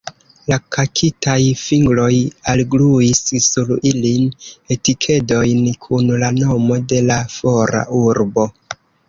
La lakitaj fingroj algluis sur ilin etikedojn kun la nomo de la fora urbo.